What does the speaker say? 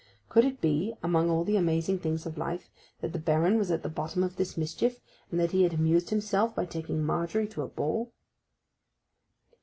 Could it be, among all the amazing things of life, that the Baron was at the bottom of this mischief; and that he had amused himself by taking Margery to a ball?